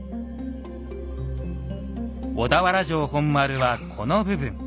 小田原城本丸はこの部分。